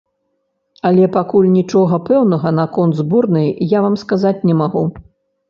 Але пакуль нічога пэўнага наконт зборнай я вам сказаць не магу.